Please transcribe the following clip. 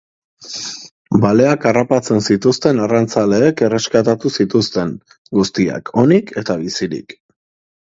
Baleak harrapatzen zituzten arrantzaleek erreskatatu zituzten, guztiak onik eta bizirik.